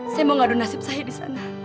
saya mau ngadu nasib saya di sana